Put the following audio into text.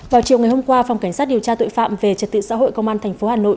vào chiều ngày hôm qua phòng cảnh sát điều tra tội phạm về trật tự xã hội công an tp hà nội